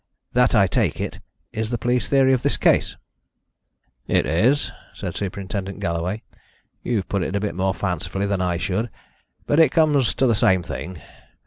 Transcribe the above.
That, I take it, is the police theory of this case." "It is," said Superintendent Galloway. "You've put it a bit more fancifully than I should, but it comes to the same thing.